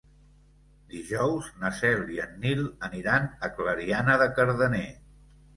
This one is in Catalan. Dijous na Cel i en Nil aniran a Clariana de Cardener.